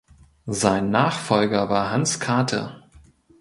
Sein Nachfolger war Hans Kathe.